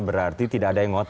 berarti tidak ada yang ngotot